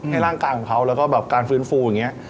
ร่างกายของเขาแล้วก็แบบการฟื้นฟูอย่างนี้